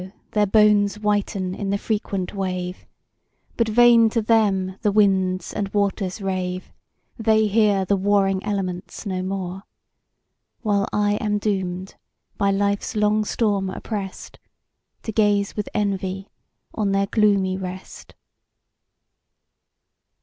their bones whiten in the frequent wave; But vain to them the winds and waters rave; They hear the warring elements no more: While I am doom'd by life's long storm opprest, To gaze with envy on their gloomy rest.